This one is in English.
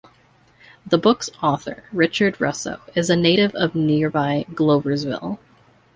The book's author, Richard Russo, is a native of nearby Gloversville.